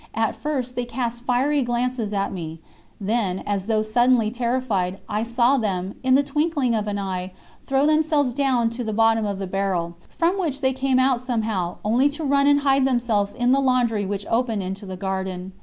At first they cast fiery glances at me; then, as though suddenly terrified, I saw them, in the twinkling of an eye, throw themselves down to the bottom of the barrel, from which they came out somehow, only to run and hide themselves in the laundry which opened into the garden.